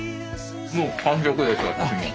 もう完食です私も。